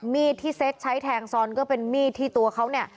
มีดที่เซ็กใช้แทงซอนก็เป็นมีดที่ตัวเขาเนี่ย